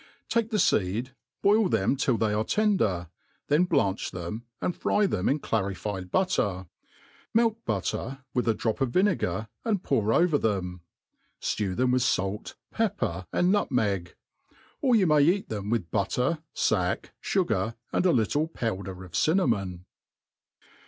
TAKE the feed, boil them till they are tender; then blanpk tliem, and fry them in clarified butter. Melt butter, with a drop of vinegar, and pour oyer them. Stow them with fait, pepper, and nutmeg. ^' Or yoii may eat them with butter, fack, fugar, and a little powder of cinnamon.